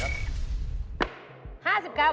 เท่าไหร่ครับ